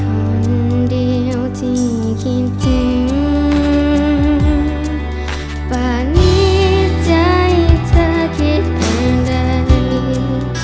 คนเดียวที่คิดถึงป่านนี้ใจเธอคิดอย่างไร